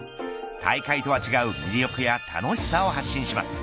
大会とは違う魅力や楽しさを発信します。